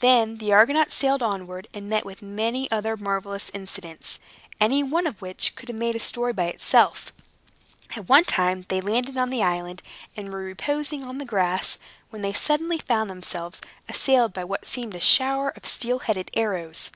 Then the Argonauts sailed onward and met with many other marvelous incidents, any one of which would make a story by itself. At one time they landed on an island, and were reposing on the grass, when they suddenly found themselves assailed by what seemed a shower of steel headed arrows.